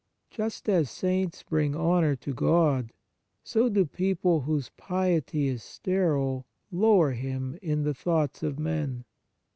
Just as saints bring honour to God, so do people whose piety is sterile lower Him in the thoughts of men.